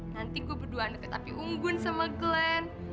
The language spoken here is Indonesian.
nanti gue berdua neket api unggun sama glenn